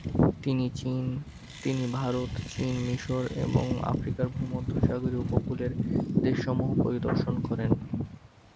তিনি ভারত, চীন, মিশর এবং আফ্রিকার ভূমধ্যসাগরীয় উপকূলের দেশসমূহ পরিদর্শন করেন।